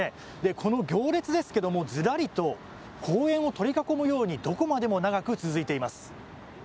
この行列ですけどずらりと公園を取り囲むようにどこまでも長く続いています。